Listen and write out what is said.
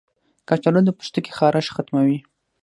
کچالو د پوستکي خارښ ختموي.